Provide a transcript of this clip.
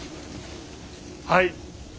はい。